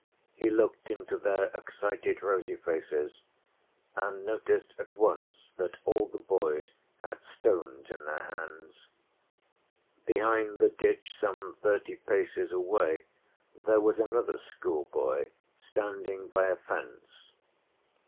He looked into their excited rosy faces, and noticed at once that all the boys had stones in their hands. Behind the ditch some thirty paces away, there was another schoolboy standing by a fence.